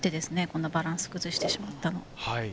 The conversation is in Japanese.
こんなにバランスを崩してしまったのは。